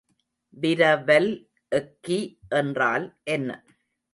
விரவல் எக்கி என்றால் என்ன?